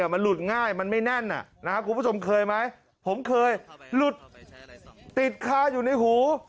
มันหลุดง่ายมันไม่แน่นผมเคยหลุดติดค้าอยู่ในหู